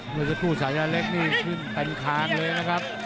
เซเตอร์โตรสายะเล็กนี่ขึ้นเป็นค้างเลยนะครับ